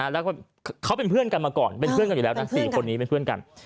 แล้วก็เขาเป็นเพื่อนกันมาก่อนเป็นเพื่อนกันอยู่แล้วนะ๔คนนี้เป็นเพื่อนกัน